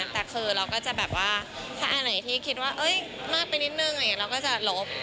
แต่คือเราก็จะแบบว่าถ้าอันไหนที่คิดว่ามากไปนิดนึงอย่างนี้เราก็จะลบ